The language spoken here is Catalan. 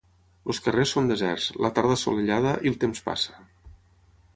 Els carrers són deserts, la tarda assolellada i el temps passa.